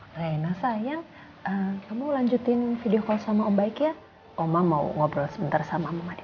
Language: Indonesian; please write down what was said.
nah sayang kamu lanjutin video call sama om baik ya oma mau ngobrol sebentar sama mama dia